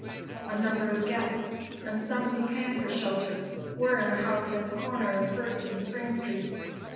A number of guests, and some who came for shelter, were in a house at the corner of First and Spring streets.